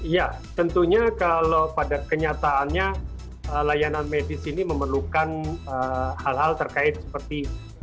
ya tentunya kalau pada kenyataannya layanan medis ini memerlukan hal hal terkait seperti